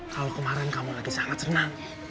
kalau kemarin kamu lagi sangat senang